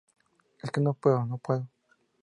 es que no puedo. no puedo.